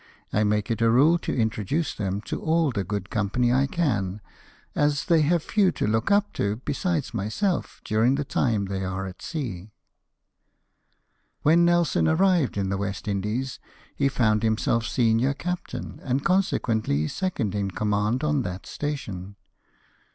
I make it a rule to introduce them to all the good company I can, as they have few to look up to, besides myself, during the time they are at sea," When Nelson arrived in the West Indies he found himself senior captain, and, consequently, second in command on that station.